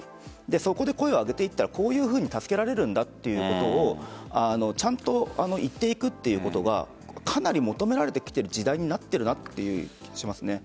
そこで声を上げていったらこういうふうに助けられるんだということをちゃんと言っていくということがかなり求められてきている時代になっているなという気がします。